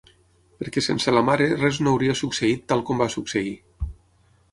Perquè sense la mare res no hauria succeït tal com va succeir.